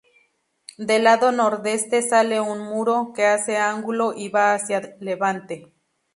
Del lado nordeste sale un muro, que hace ángulo y va hacia levante.